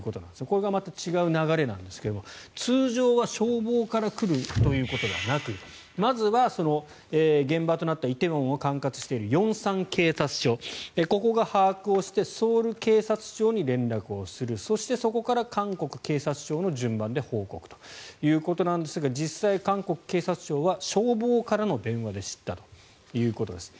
これがまた違う流れなんですけど通常は消防から来るということはなくまずは現場となった梨泰院を管轄している龍山警察署ここが把握をしてソウル警察庁に連絡をするそして、そこから韓国警察庁の順番で報告ということですが実際、韓国警察庁は消防からの電話で知ったということです。